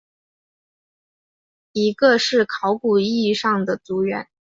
一个是考古意义上的族源。